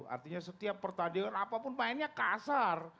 artinya setiap pertandingan apapun mainnya kasar